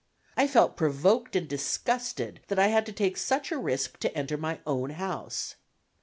I felt provoked and disgusted that I had to take such a risk to enter my own house.